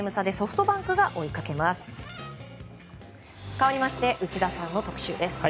かわりまして内田さんの特集です。